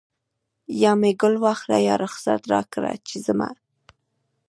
یا مې ګل واخله یا رخصت راکړه چې ځمه